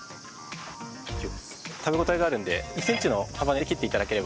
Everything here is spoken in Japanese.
食べ応えがあるんで１センチの幅で切って頂ければ。